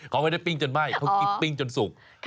เขาไม่ได้ปิ้งจนไหม้เขากินปิ้งจนสุก